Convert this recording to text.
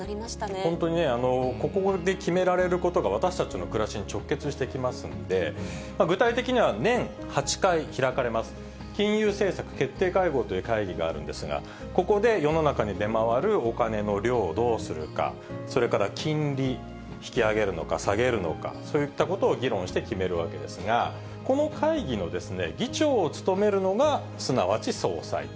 本当にここで決められることが、私たちの暮らしに直結してきますんで、具体的には年８回開かれます、金融政策決定会合という会議があるんですが、ここで世の中に出回るお金の量、どうするか、それから金利、引き上げるのか、下げるのか、そういったことを議論して決めるわけですが、この会議の議長を務めるのがすなわち総裁と。